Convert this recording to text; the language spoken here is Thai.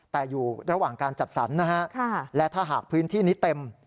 แต่อยู่ระหว่างการจัดสรรนะฮะและถ้าหากพื้นที่นี้เต็ม